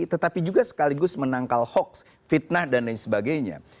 tetapi juga sekaligus menangkal hoax fitnah dan lain sebagainya